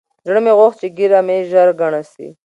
زړه مې غوښت چې ږيره مې ژر گڼه سي.